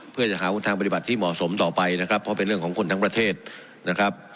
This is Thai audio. เพื่อจะหาทางปฏิบัติที่เหมาะสมต่อไปนะครับเพราะเป็นเรื่องของคนทั้งประเทศนะครับ